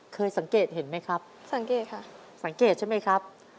เคยสังเกตเห็นไหมครับ